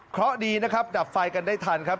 เพราะดีนะครับดับไฟกันได้ทันครับ